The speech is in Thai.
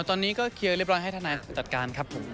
ตอนนี้ก็เคลียร์เรียบร้อยให้ทนายจัดการครับผม